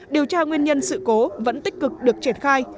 điều tra nguyên nhân sự cố vẫn tích cực được triển khai